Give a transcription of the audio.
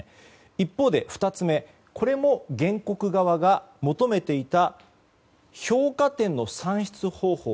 一方で２つ目これも原告側が求めていた評価点の算出方法